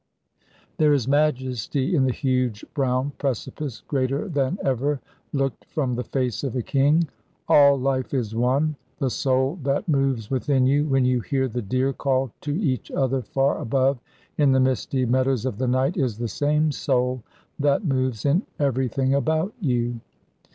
There is majesty in the huge brown precipice greater than ever looked from the face of a king. All life is one. The soul that moves within you when you hear the deer call to each other far above in the misty meadows of the night is the same soul that moves in everything about you.